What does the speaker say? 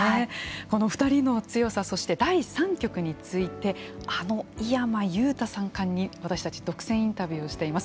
この２人の強さそして第三局についてあの井山裕太三冠に私たち独占インタビューしています。